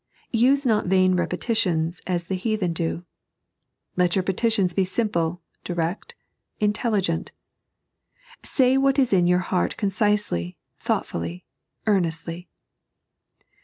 " Use not vain repetitions, as the heathen do." Let your petitions be simple, direct, intelligent. Say what is in your heart concisely, thought fully, earnestly.